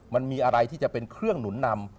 มันมีอะไรที่จะเป็นเครื่องหนุนนำ